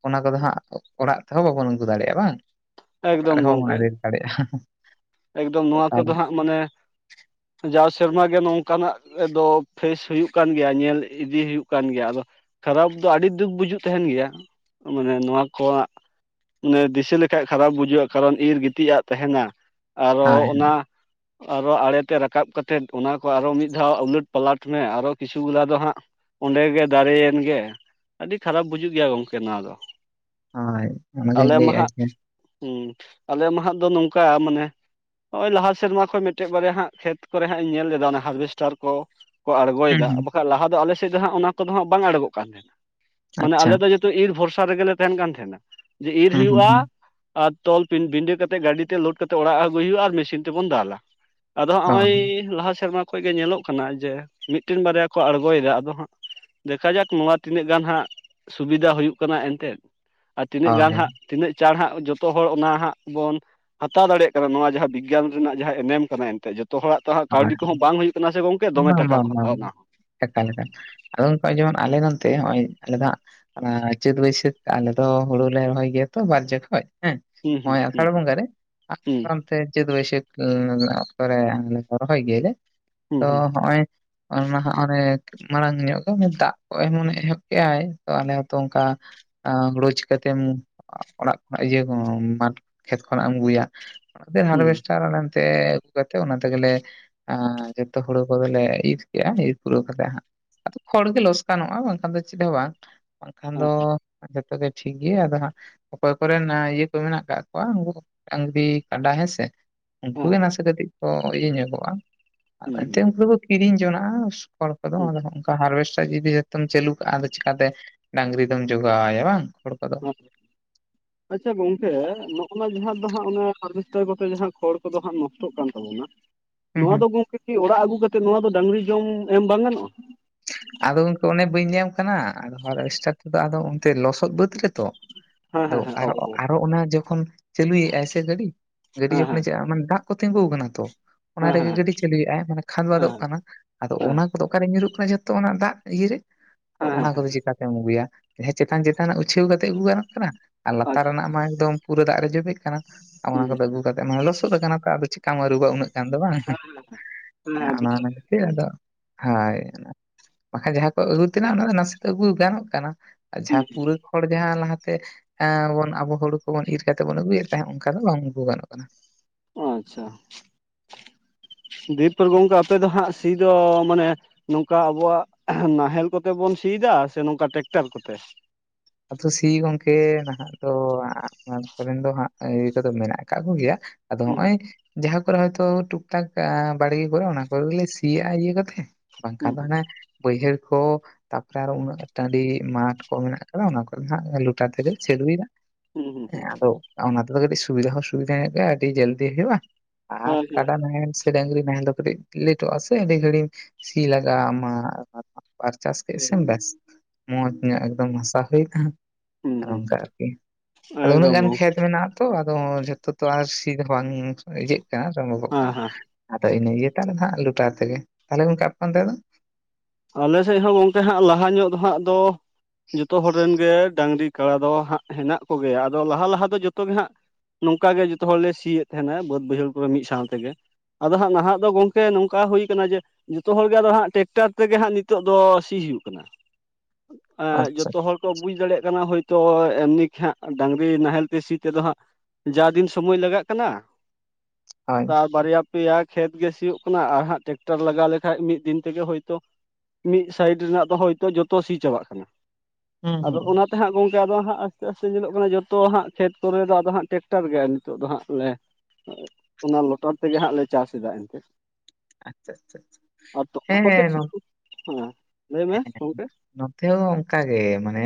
ᱚᱱᱟ ᱠᱚᱫᱚ ᱦᱟᱸᱜ ᱚᱲᱟᱜ ᱛᱮᱦᱚᱸ ᱵᱟᱵᱚᱱ ᱟᱹᱜᱩ ᱫᱟᱲᱮᱭᱟᱜᱼᱟ ᱵᱟᱝ᱾ ᱚ ᱮᱠᱫᱚᱢ ᱨᱮ ᱜᱚᱝᱠᱮ ᱦᱱᱟ ᱥᱟ <inaudible> ᱮᱠᱫᱚᱢ ᱱᱚᱣᱟ ᱠᱚᱫᱚ ᱦᱟᱸᱜ ᱢᱟᱱᱮ <unintelligible> ᱡᱟᱣ ᱥᱮᱨᱢᱟ ᱜᱮ ᱱᱚᱝᱠᱟᱱᱟᱜ ᱫᱚ ᱯᱷᱮᱥ ᱦᱩᱭᱩᱜ ᱠᱟᱱ ᱜᱮᱭᱟ ᱧᱮᱞ ᱤᱫᱤ ᱦᱩᱭᱩᱜ ᱠᱟᱱ ᱜᱮᱭᱟ ᱟᱫᱚ ᱠᱷᱟᱨᱟᱯ ᱫᱚ ᱟᱹᱰᱤ ᱫᱩᱠ ᱵᱩᱡᱩᱜ ᱛᱟᱦᱮᱱ ᱜᱮᱭᱟ ᱢᱟᱱᱮ ᱱᱚᱣᱟ ᱠᱚᱣᱟᱜ ᱢᱟᱱᱮ ᱫᱤᱥᱟᱹ ᱞᱮᱠᱷᱟᱡ ᱠᱷᱟᱨᱟᱯ ᱵᱩᱡᱟᱹᱜᱼᱟ ᱠᱟᱨᱚᱱ ᱤᱨ ᱜᱤᱛᱤᱡᱟᱜ ᱛᱟᱦᱮᱱᱟ ᱟᱨᱚ ᱦᱳᱭ ᱚᱱᱟ ᱟᱨᱚ ᱟᱲᱮ ᱛᱮ ᱨᱟᱠᱟᱵ ᱠᱟᱛᱮᱫ ᱚᱱᱟ ᱠᱚ ᱟᱨᱚ ᱢᱤᱫ ᱫᱷᱟᱣ ᱟᱞᱟᱹᱴ ᱯᱟᱞᱟᱴ ᱢᱮ ᱟᱨᱚ ᱠᱤᱪᱷᱩ ᱜᱩᱞᱟ ᱫᱚ ᱦᱟᱸᱜ ᱚᱸᱰᱮ ᱜᱮ ᱫᱟᱨᱮᱭ ᱮᱱ ᱜᱮ ᱟᱹᱰᱤ ᱠᱷᱟᱨᱟᱯ ᱵᱩᱡᱩᱜ ᱜᱮᱭᱟ ᱜᱚᱢᱠᱮ ᱱᱚᱣᱟ ᱫᱚ᱾ ᱦᱳᱭ ᱚᱱᱟᱜᱤᱧ ᱟᱞᱮ ᱢᱟ ᱞᱟᱹᱭᱮᱫᱼᱟ ᱦᱟᱜ ᱡᱮ ᱦᱩᱸ ᱟᱞᱮ ᱢᱟ ᱦᱟᱜ ᱫᱚ ᱱᱚᱝᱠᱟ ᱢᱟᱱᱮ ᱱᱚᱜᱼᱚᱭ ᱞᱟᱦᱟ ᱥᱮᱨᱢᱟ ᱠᱷᱚᱱ ᱢᱤᱫᱴᱮᱡ ᱵᱟᱨᱭᱟ ᱦᱟᱸᱜ ᱠᱷᱮᱛ ᱠᱚᱨᱮ ᱦᱟᱸᱜ ᱤᱧ ᱧᱮᱞ ᱞᱮᱫᱟ ᱚᱱᱟ ᱦᱟᱨᱵᱷᱮᱥᱴᱟᱨ ᱠᱚ ᱠᱚ ᱟᱬᱜᱚᱭ ᱦᱩᱸ ᱮᱫᱟ ᱦᱩᱸ ᱵᱟᱠᱷᱟᱱ ᱞᱟᱦᱟ ᱫᱚ ᱟᱞᱮ ᱥᱮᱫ ᱫᱚ ᱦᱟᱸᱜ ᱚᱱᱟ ᱠᱚᱫᱚ ᱦᱟᱸᱜ ᱵᱟᱝ ᱟᱬᱜᱚᱜ ᱠᱟᱱ ᱛᱟᱦᱮᱱᱟ ᱢᱟᱱᱮ ᱟᱪᱪᱷᱟ ᱟᱞᱮ ᱫᱚ ᱡᱚ ᱛᱚ ᱤᱨ ᱵᱷᱚᱨᱥᱟ ᱨᱮᱜᱮᱞᱮ ᱛᱟᱦᱮᱱ ᱠᱟᱱ ᱛᱟᱦᱮᱱᱟ ᱡᱮ ᱤᱨ ᱦᱩᱸ ᱦᱩᱸ ᱦᱩᱭᱩᱜᱼᱟ ᱦᱩᱸ ᱟᱨ ᱛᱚᱞ ᱵᱤᱸᱰᱟᱹ ᱠᱟᱛᱮᱫ ᱜᱟᱹᱰᱤ ᱛᱮ ᱞᱳᱰ ᱠᱟᱛᱮᱫ ᱚᱲᱟᱜ ᱟᱹᱜᱩᱭ ᱦᱩᱭᱩᱜᱼᱟ ᱟᱨ ᱢᱮᱥᱤᱱ ᱛᱮᱵᱚᱱ ᱫᱟᱞᱟ᱾ ᱟᱫᱚ ᱦᱟᱸᱜ ᱱᱚᱜᱼᱚᱭ ᱦᱚᱸ ᱞᱟᱦᱟ ᱥᱮᱨᱢᱟ ᱠᱷᱚᱱ ᱜᱮ ᱧᱮᱞᱚᱜ ᱠᱟᱱᱟ ᱡᱮ ᱢᱤᱫᱴᱮᱱ ᱵᱟᱨᱭᱟ ᱠᱚ ᱟᱬᱜᱚᱭ ᱮᱫᱟ ᱟᱫᱚ ᱦᱟᱸᱜ ᱫᱮᱠᱷᱟ ᱡᱟᱠ ᱱᱚᱣᱟ ᱛᱤᱱᱟᱹᱜ ᱜᱟᱱ ᱦᱟᱸᱜ ᱥᱩᱵᱤᱫᱷᱟ ᱦᱩᱭᱩᱜ ᱠᱟᱱᱟ ᱮᱱ ᱛᱮᱫ, ᱟᱨ ᱛᱤᱱᱟᱹᱜ ᱜᱟᱱ ᱦᱳᱭ ᱦᱟᱸᱜ ᱛᱤᱱᱟᱹᱜ ᱪᱟᱬ ᱦᱟᱸᱜ ᱡᱚᱛᱚ ᱦᱚᱲ ᱚᱱᱟ ᱦᱟᱸᱜ ᱵᱚᱱ ᱦᱟᱛᱟᱣ ᱫᱟᱲᱮᱭᱟᱜ ᱠᱟᱱᱟ ᱱᱚᱣᱟ ᱡᱟᱦᱟᱸ ᱵᱤᱜᱽᱜᱟᱱ ᱨᱮᱱᱟᱜ ᱡᱟᱦᱟᱸ ᱮᱱᱮᱢ ᱠᱟᱱᱟ ᱮᱱᱛᱮᱫ ᱡᱚᱛᱚ ᱦᱚᱲᱟᱜ ᱛᱚ ᱦᱟᱸᱜ ᱦᱳᱭ ᱠᱟᱹᱣᱰᱤ ᱠᱚ ᱦᱚᱸ ᱵᱟᱝ ᱦᱩᱭᱩᱜ ᱠᱟᱱᱟ ᱥᱮ ᱜᱚᱝᱠᱮ ᱫᱚᱢᱮ ᱵᱟᱝ ᱴᱟᱠᱟ ᱵᱟᱝ ᱠᱚ ᱵᱟᱝ ᱦᱟᱛᱟᱣ ᱫᱟ᱾ ᱮᱠᱟᱞ ᱮᱠᱟᱞ ᱟᱫᱚ ᱚᱱᱠᱟ ᱡᱮᱢᱚᱱ ᱟᱞᱮ ᱱᱚᱱᱛᱮ ᱱᱚᱜᱼᱚᱭ ᱟᱞᱮ ᱫᱚ ᱦᱟᱸᱜ ᱚᱱᱟ ᱪᱟᱹᱛ ᱵᱟᱹᱭᱥᱟᱹᱠᱷ ᱟᱞᱮ ᱫᱚ ᱦᱩᱲᱩ ᱞᱮ ᱨᱚᱦᱚᱭ ᱜᱮᱭᱟ ᱛᱚ ᱵᱟᱨ ᱡᱚᱠᱷᱚᱡ ᱦᱮᱸ ᱦᱚᱸ ᱦᱩᱸ ᱱᱚᱜᱼᱚᱭ ᱦᱩᱸ ᱟᱥᱟᱲ ᱵᱚᱸᱜᱟ ᱨᱮ ᱟᱨ ᱦᱩᱸ ᱚᱱᱛᱮ ᱪᱟᱹᱛ ᱵᱟᱹᱭᱥᱟᱹᱠᱷ ᱚᱠᱛᱚ ᱨᱮ ᱨᱚᱦᱚᱭ ᱜᱮᱭᱟ ᱞᱮ ᱛᱚ ᱦᱩᱸ ᱦᱚᱜᱼᱚᱭ <unintelligible> ᱚᱱᱮ ᱢᱟᱲᱟᱝ ᱧᱚᱜ ᱜᱮ ᱫᱟᱜ ᱠᱚ ᱮᱢᱚᱱᱮ ᱮᱦᱚᱵ ᱠᱮᱜᱼᱟᱭ ᱛᱚ ᱟᱞᱮ ᱦᱚᱸᱛᱚ ᱚᱱᱠᱟ ᱦᱩᱲᱩ ᱪᱤᱠᱟᱹ ᱛᱮᱢ ᱚᱲᱟᱜ ᱠᱷᱚᱱᱟᱜ ᱤᱭᱟᱹ ᱢᱟᱴᱷ ᱠᱷᱮᱛ ᱠᱷᱚᱱᱟᱜ ᱮᱢ ᱟᱹᱜᱩᱭᱟ, ᱚᱱᱟ ᱛᱮ ᱦᱩᱸ ᱦᱟᱨᱵᱮᱥᱴᱟᱨ ᱟᱞᱮ ᱚᱱᱛᱮ ᱟᱹᱜᱩ ᱠᱟᱛᱮᱜ ᱚᱱᱟ ᱛᱮᱜᱮ ᱞᱮ ᱮᱸ ᱡᱚᱛᱚ ᱦᱩᱲᱩ ᱠᱚᱫᱚᱞᱮ ᱤᱨ ᱠᱮᱜᱼᱟ ᱤᱨ ᱯᱩᱨᱟᱹᱣ ᱠᱟᱛᱮᱜ ᱦᱟᱸᱜ ᱟᱫᱚ ᱠᱷᱚᱲ ᱜᱮ ᱞᱚᱥᱠᱟᱱᱚᱜᱼᱟ ᱵᱟᱝ ᱠᱷᱟᱱ ᱫᱚ ᱪᱮᱫ ᱦᱚᱸ ᱵᱟᱝ ᱵᱟᱝ ᱠᱷᱟᱱ ᱫᱚ ᱡᱚᱛᱚ ᱜᱮ ᱴᱷᱤᱠ ᱜᱮᱭᱟ ᱟᱫᱚ ᱦᱟᱸᱜ ᱚᱠᱚᱭ ᱠᱚ ᱨᱮᱱ ᱤᱭᱟᱹ ᱠᱚ ᱢᱮᱱᱟᱜ ᱟᱠᱟᱜ ᱠᱚᱣᱟ ᱩᱱᱠᱩ ᱰᱟᱹᱝᱨᱤ ᱠᱟᱰᱟ ᱦᱮᱸ ᱥᱮ, ᱦᱩᱸ ᱩᱱᱠᱩ ᱦᱩᱸ ᱜᱮ ᱱᱟᱥᱮ ᱠᱟᱹᱴᱤᱡ ᱠᱚ ᱤᱭᱟᱹ ᱧᱚᱜᱚᱜᱼᱟ ᱦᱮᱸ ᱟᱫᱚ ᱦᱮᱸ ᱮᱱᱛᱮᱫ ᱩᱱᱠᱩ ᱫᱚ ᱠᱚ ᱠᱤᱨᱤᱧ ᱡᱚᱱᱟᱜᱼᱟ ᱠᱷᱚᱲ ᱠᱚᱫᱚ ᱦᱮᱸ ᱟᱫᱚ ᱦᱟᱸᱜ ᱦᱟᱨᱵᱷᱮᱥᱴᱟᱨ ᱡᱩᱫᱤ ᱡᱷᱚᱛᱚᱢ ᱪᱟᱹᱞᱩ ᱠᱟᱜᱼᱟ ᱟᱫᱚ ᱪᱤᱠᱟᱹ ᱛᱮ ᱰᱟᱝᱨᱤ ᱫᱚᱢ ᱡᱚᱜᱟᱣᱟᱭᱟ ᱵᱟᱝ ᱦᱚᱲ ᱠᱚ ᱫᱚ ᱦᱮᱸ <inaudible> ᱟᱪᱪᱷᱟ ᱜᱚᱝᱠᱮ ᱱᱚᱜᱼᱚ ᱱᱚᱣᱟ ᱡᱟᱦᱟᱸ ᱫᱚ ᱦᱟᱸᱜ ᱚᱱᱮ ᱦᱟᱨᱵᱷᱮᱥᱴᱟᱨ ᱠᱚᱛᱮ ᱡᱟᱦᱟᱸ ᱠᱷᱚᱲ ᱠᱚᱫᱚ ᱦᱟᱸᱜ ᱱᱚᱥᱴᱚᱜ ᱠᱟᱱ <unintelligible> ᱦᱩᱸ ᱱᱚᱣᱟ ᱦᱩᱸ ᱫᱚ ᱜᱚᱢᱠᱮ ᱠᱤ ᱚᱲᱟᱜ ᱟᱹᱜᱩ ᱠᱟᱛᱮ ᱱᱚᱣᱟ ᱫᱚ ᱰᱟᱝᱨᱤ ᱡᱚᱢ ᱮᱢ ᱵᱟᱝ ᱜᱟᱱᱚᱜᱼᱟ? ᱟᱫᱚ ᱜᱚᱢᱠᱮ ᱚᱱᱮ ᱵᱟᱹᱧ ᱞᱟᱹᱭ ᱟᱢ ᱠᱟᱱᱟ ᱟᱫᱚ ᱮᱥᱴᱟᱨ ᱨᱮᱫᱚ ᱟᱫᱚ ᱚᱱᱛᱮ ᱞᱚᱥᱚᱫ ᱵᱟᱹᱫ ᱨᱮᱛᱚ ᱦᱮᱸ ᱟᱫᱚ ᱦᱮᱸ ᱦᱮᱸ ᱚ ᱟᱨᱚ ᱚ ᱟᱨᱚ ᱚᱱᱟ ᱡᱚᱠᱷᱚᱱ ᱪᱟᱹᱞᱩᱭ ᱮᱫᱼᱟᱭ ᱥᱮ ᱜᱟᱹᱰᱤ ᱜᱟᱹᱰᱤ ᱦᱮᱸ ᱡᱚᱠᱷᱚᱱᱮ ᱦᱮᱸ ᱪᱟᱞ ᱫᱟᱜᱼᱼ ᱛᱤᱸᱜᱩ ᱟᱠᱟᱱᱟ ᱛᱚ ᱚᱱᱟ ᱦᱮᱸ ᱦᱮᱸ ᱦᱮᱸ ᱨᱮᱜᱮ ᱦᱮᱸ ᱜᱟᱹᱰᱤ ᱪᱟᱹᱞᱩᱭ ᱮᱫ ᱟᱭ ᱢᱟᱱᱮ ᱠᱷᱟᱫ ᱵᱟᱫᱚᱜ ᱠᱟᱱᱟ ᱟᱫᱚ ᱦᱮᱸ ᱚᱱᱟ ᱠᱚᱫᱚ ᱚᱠᱟ ᱨᱮ ᱧᱩᱨᱩᱜ ᱠᱟᱱᱟ ᱡᱚᱛᱚ ᱚᱱᱟ ᱫᱟᱜ ᱤᱭᱟᱹᱨᱮ ᱟᱫᱚ ᱦᱮᱸ ᱦᱮᱸ ᱚᱱᱟ ᱠᱚᱫᱚ ᱦᱮᱸ ᱪᱤᱠᱟ ᱛᱮᱢ ᱟᱹᱜᱩᱭᱟ᱾ ᱦᱮᱸ ᱪᱮᱛᱟᱱ ᱪᱮᱛᱟᱱᱟᱜ ᱩᱪᱷᱟᱹᱣ ᱠᱟᱛᱮ ᱟᱹᱜᱩ ᱜᱟᱱᱚᱜ ᱠᱟᱱᱟ, ᱟᱨ ᱞᱟᱛᱟᱨ ᱟᱪᱪᱷᱟ ᱨᱮᱱᱟᱜ ᱟᱪᱪᱷᱟ ᱢᱟ ᱮᱠᱫᱚᱢ ᱯᱩᱨᱟᱹ ᱫᱟᱜ ᱨᱮ ᱡᱚᱵᱮᱜ ᱠᱟᱱᱟ ᱚᱱᱟ ᱠᱚᱫᱚ ᱦᱮᱸ ᱟᱹᱜᱩ ᱠᱟᱛᱮᱫ ᱱᱚᱣᱟ ᱞᱚᱥᱚᱫ ᱟᱠᱟᱱᱟ ᱚᱠᱟ ᱟᱫᱚ ᱪᱮᱠᱟᱢ ᱟᱹᱨᱩᱵᱟ ᱩᱱᱟᱹᱜ ᱠᱟᱱ ᱫᱚ ᱵᱟᱝ ᱦᱮᱸ ᱦᱮᱸ ᱚᱱᱟ ᱵᱩᱡᱷᱟᱹᱣ ᱠᱷᱟᱛᱤᱨ ᱟᱫᱚ ᱦᱳᱭ <unintelligible> ᱵᱟᱠᱷᱟᱱ ᱡᱟᱦᱟᱸ ᱠᱚ ᱟᱹᱜᱩ ᱛᱮᱱᱟᱜ ᱚᱱᱟ ᱫᱚ ᱱᱟᱥᱮ ᱫᱚ ᱟᱹᱜᱩ ᱜᱟᱱᱚᱜ ᱠᱟᱱᱟ ᱟᱨ ᱦᱩᱸ ᱡᱟᱦᱟᱸ ᱯᱩᱨᱟᱹ ᱠᱷᱚᱲ ᱡᱟᱸᱦᱟ ᱞᱟᱦᱟ ᱮᱜ ᱮᱸ ᱵᱚᱱ ᱟᱵᱚ ᱦᱩᱲᱩ ᱠᱚᱵᱚᱱ ᱤᱨ ᱠᱟᱛᱮ ᱵᱚᱱ ᱟᱹᱜᱩᱭ ᱮᱫ ᱛᱟᱦᱮᱸᱫ ᱚᱱᱠᱟ ᱫᱚ ᱵᱟᱝ ᱟᱹᱜᱩ ᱜᱟᱱᱚᱜ ᱠᱟᱱᱟ ᱚ ᱟᱪᱪᱷᱟ <inaudible> ᱫᱤᱭᱮ ᱯᱚᱨ ᱜᱚᱝᱠᱮ ᱟᱯᱮ ᱫᱚ ᱦᱟᱸᱜ ᱥᱤ ᱫᱚ ᱢᱟᱱᱮ ᱱᱚᱝᱠᱟ ᱟᱵᱚᱣᱟᱜ ᱱᱟᱦᱮᱞ ᱠᱚᱛᱮ ᱵᱚᱱ ᱥᱤᱭ ᱮᱫᱟ ᱥᱮ ᱱᱚᱝᱠᱟ ᱴᱮᱠᱴᱟᱨ ᱠᱚ ᱛᱮ ᱟᱫᱚ ᱥᱤ ᱜᱚᱢᱠᱮ ᱱᱟᱦᱟᱜ ᱫᱚ ᱚᱱᱟ ᱠᱚᱨᱮᱱ ᱫᱚ ᱦᱟᱸᱜ ᱤᱭᱟᱹ ᱠᱚᱫᱚ ᱢᱮᱱᱟᱜ ᱟᱠᱟᱜ ᱠᱚ ᱜᱮᱭᱟ ᱾ ᱟᱫᱚ ᱦᱩᱸ ᱦᱚᱸᱜ-ᱚᱭ ᱡᱟᱦᱟᱸ ᱠᱚᱨᱮ ᱦᱚᱭᱛᱳ ᱴᱩᱠ ᱴᱟᱠ ᱵᱟᱲᱜᱮ ᱠᱚᱨᱮ ᱚᱱᱟ ᱠᱚᱨᱮ ᱜᱮ ᱥᱤᱭᱟᱜ-ᱟ ᱤᱭᱟᱹ ᱠᱟᱛᱮ, ᱵᱟᱝᱠᱷᱟᱱ ᱦᱩᱸ ᱫᱚ ᱦᱟᱱᱮ ᱵᱟᱹᱭᱦᱟᱹᱲ ᱠᱚ ᱛᱟᱯᱚᱨᱮ ᱟᱨ ᱩᱱᱟᱹᱜ ᱴᱟᱸᱹᱰᱤ ᱢᱟᱴᱷ ᱠᱚ ᱢᱮᱱᱟᱜ ᱟ ᱠᱟᱫᱟ ᱦᱟᱸᱜ ᱚᱱᱟ ᱠᱚ ᱦᱟᱸᱜ ᱞᱚᱴᱟᱨ ᱛᱮ ᱜᱮ ᱞᱮ ᱪᱟᱹᱞᱩᱭᱟ ᱦᱩᱸ ᱦᱩᱸ ᱦᱩᱸ ᱦᱮᱸ ᱦᱩᱸ ᱟᱫᱚ ᱚᱱᱟ ᱛᱮᱫᱚ ᱠᱟᱹᱴᱤᱡ ᱥᱩᱵᱤᱫᱟ ᱦᱚᱸ ᱥᱩᱵᱤᱫᱟ ᱧᱚᱜ ᱜᱮᱭᱟ ᱟᱹᱰᱤ ᱡᱚᱞᱫᱤ ᱦᱩᱭᱩᱜᱼᱟ ᱟᱨ ᱦᱮᱸ ᱠᱟᱰᱟ ‌ᱱᱟᱦᱮᱞ ᱥᱮ ᱰᱟᱝᱨᱤ ᱱᱟᱦᱮᱞ ᱫᱚ ᱠᱟᱹᱴᱤᱡ ᱞᱮᱴᱚᱜᱼᱟ ᱥᱮ ᱟᱹᱰᱤ ᱜᱷᱟᱹᱲᱤᱡ ᱥᱤ ᱞᱟᱜᱟᱣ ᱟᱢᱟ ᱾ ᱵᱟᱨ ᱪᱟᱥ ᱠᱮᱫ ᱦᱮᱸ ᱥᱮᱢ ᱵᱮᱥ ᱢᱚᱸᱡᱽ ᱧᱚᱜ ᱮᱠᱫᱚᱢ ᱦᱟᱥᱟ ᱦᱩᱭᱱᱟ ᱦᱩᱸ ᱾ ᱦᱩᱸ ᱱᱚᱝᱠᱟ ᱟᱨᱠᱤ ᱟᱫᱚ ᱩᱱᱟᱹᱜ ᱮᱠᱫᱚᱢ ᱜᱟᱱ ᱜᱚᱝᱠᱮ ᱠᱷᱮᱛ ᱢᱮᱱᱟᱜ ᱛᱚ ᱟᱫᱚ ᱡᱷᱚᱛᱚ ᱛᱚ ᱟᱨ ᱥᱤ ᱦᱚᱸ ᱵᱟᱝ ᱤᱡᱟᱹᱜ ᱠᱟᱱᱟ ᱥᱚᱢᱵᱷᱚᱵᱚᱜ ᱦᱮᱸ ᱠᱟᱱᱟ ᱦᱮᱸ ᱾ ᱟᱫᱚ ᱤᱱᱟᱹ ᱤᱭᱟᱹ ᱛᱟᱦᱚᱞᱮ ᱫᱚ ᱦᱟᱸᱜ ᱞᱚᱴᱟᱨ ᱛᱮᱜᱮ ᱛᱟᱦᱚᱞᱮ ᱜᱚᱝᱠᱮ ᱟᱨ ᱚᱱᱛᱮᱸ ᱫᱚ ᱟᱞᱮ ᱥᱮᱫ ᱦᱚᱸ ᱜᱚᱝᱠᱮ ᱦᱟᱸᱜ ᱞᱟᱦᱟ ᱧᱚᱜ ᱦᱟᱸᱜ ᱫᱚ ᱡᱚᱛᱚ ᱦᱚᱲ ᱨᱮᱱ ᱜᱮ ᱰᱟᱝᱨᱤ ᱠᱟᱲᱟ ᱫᱚ ᱦᱟᱸᱜ ᱦᱮᱱᱟᱜ ᱠᱚ ᱜᱮᱭᱟ ᱟᱫᱚ ᱞᱟᱦᱟ ᱞᱟᱦᱟ ᱫᱚ ᱡᱚᱛᱚ ᱜᱮ ᱦᱟᱸᱜ ᱱᱚᱝᱠᱟ ᱜᱮ ᱡᱚᱛᱚ ᱦᱚᱲᱞᱮ ᱥᱤᱭᱮᱫ ᱛᱟᱦᱮᱱᱟ ᱵᱟᱹᱫ ᱵᱟᱹᱭᱦᱟᱹᱲ ᱠᱚ ᱨᱮ ᱢᱤᱫ ᱥᱟᱶ ᱛᱮᱜᱮ ᱾ ᱟᱫᱚ ᱦᱟᱸᱜ ᱱᱟᱦᱟᱜ ᱫᱚ ᱜᱚᱝᱠᱮ ᱱᱚᱝᱠᱟ ᱦᱩᱭ ᱠᱟᱱᱟ ᱡᱮ ᱡᱚᱛᱚ ᱦᱚᱲᱜᱮ ᱟᱫᱚ ᱦᱟᱸᱜ ᱴᱮᱠᱴᱟᱨ ᱛᱮᱜᱮ ᱦᱟᱸᱜ ᱱᱤᱛᱚᱜ ᱫᱚ ᱥᱤ ᱦᱩᱭᱩᱜ ᱠᱟᱱᱟ ᱮᱸᱻ ᱟᱪᱪᱷᱟ ᱡᱚᱛᱚ ᱦᱚᱲ ᱠᱚ ᱵᱩᱡ ᱫᱟᱲᱮᱭᱟᱜ ᱠᱟᱱᱟ ᱦᱳᱭᱛᱳ ᱮᱢᱱᱤ ᱦᱟᱸᱜ ᱰᱟᱝᱝᱨᱤ ᱱᱟᱦᱮᱞ ᱛᱮ ᱥᱤ ᱛᱮᱫᱚ ᱦᱟᱸᱜ ᱡᱟ ᱫᱤᱱ ᱥᱚᱢᱚᱭ ᱞᱟᱜᱟᱜ ᱠᱟᱱᱟ ᱦᱳᱭ ᱾ ᱛᱟᱨ ᱵᱟᱨᱭᱟ ᱯᱮᱭᱟ ᱠᱷᱮᱛ ᱜᱮ ᱥᱤᱭᱳᱜ ᱠᱟᱱᱟ ᱟᱨ ᱦᱟᱸᱜ ᱴᱮᱠᱴᱟᱨ ᱞᱟᱜᱟᱣ ᱞᱮᱠᱟᱡ ᱢᱤᱫ ᱫᱤᱱ ᱛᱮᱜᱮ ᱦᱚᱭ- ᱢᱤᱫ ᱥᱟᱭᱤᱰ ᱨᱮᱱᱟᱜ ᱫᱚ ᱦᱳᱭᱛᱳ ᱡᱚᱛᱚ ᱥᱤ ᱪᱟᱵᱟᱜ ᱠᱟᱱᱟ, ᱦᱩᱸ ᱟᱫᱚ ᱦᱩᱸ ᱚᱱᱟ ᱦᱟᱸᱜ ᱜᱚᱢᱠᱮ ᱟᱫᱚ ᱦᱟᱸᱜ ᱟᱥᱛᱮ ᱟᱥᱛᱮ ᱧᱮᱞᱚᱜ ᱠᱟᱱᱟ ᱡᱚᱛᱚ ᱦᱟᱸᱜ ᱠᱷᱮᱛ ᱠᱚᱨᱮ ᱫᱚ ᱟᱫᱚ ᱦᱟᱸᱜ ᱴᱮᱠᱴᱟᱨ ᱜᱮ ᱱᱤᱛᱚᱜ ᱫᱚ ᱦᱟᱸᱜ ᱞᱮ <unintelligible> ᱚᱱᱟ ᱞᱚᱴᱟᱨ ᱛᱮᱜᱮ ᱦᱟᱸᱜ ᱞᱮ ᱪᱟᱥ ᱮᱫᱟ ᱮᱱᱛᱮ ᱾ ᱟᱪᱪᱷᱟ ᱟᱪᱪᱷᱟ ᱛᱚᱞᱟ ᱠᱚᱛᱮ ᱦᱮᱸ ᱱᱚ ᱥᱩᱫᱩ ᱦᱮᱸ ᱞᱟᱹᱭ ᱢᱮ ᱜᱚᱢᱠᱮ ᱾ ᱱᱚᱛᱮ ᱦᱚᱸ ᱚᱱᱠᱟ ᱜᱮ ᱢᱟᱱᱮ